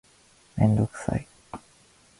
メンドクサイ